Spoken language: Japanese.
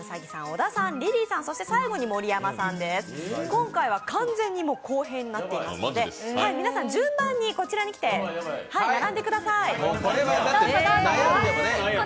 今回は完全に公平になっていますので皆さん、順番にこちらに来て並んでください。